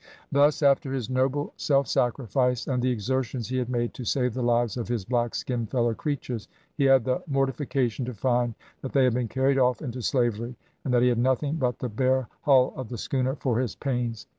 Thus, after his noble self sacrifice and the exertions he had made to save the lives of his black skinned fellow creatures he had the mortification to find that they had been carried off into slavery, and that he had nothing but the bare hull of the schooner for his pains.